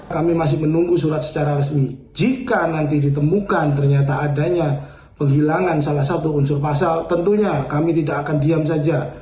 kami masih menunggu surat secara resmi jika nanti ditemukan ternyata adanya penghilangan salah satu unsur pasal tentunya kami tidak akan diam saja